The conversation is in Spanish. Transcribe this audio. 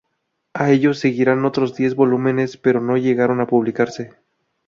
A ellos seguirían otros diez volúmenes, pero no llegaron a publicarse.